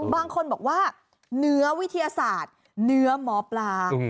บางคนบอกว่าเนื้อวิทยาศาสตร์เนื้อหมอปลา